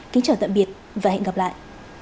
kính chào tạm biệt và hẹn gặp lại